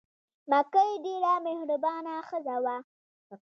مکۍ ډېره مهربانه ښځه وه.